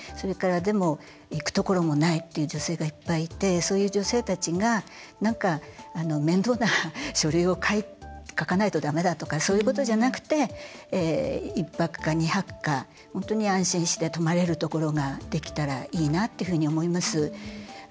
でも、行くところもないという女性が、いっぱいいてそういう女性たちが面倒な書類を書かないとだめだとかそういうことじゃなくて１泊か２泊か本当に安心して泊まれるところができたらいいなっていうふうに思います。